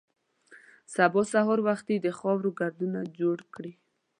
سبا سهار وختي د خاورو ګردونه جوړ کړي.